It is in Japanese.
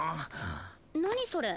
何それ。